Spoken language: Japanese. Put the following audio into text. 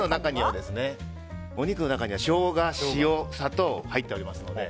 お肉の中には、ショウガ塩、砂糖が入っております。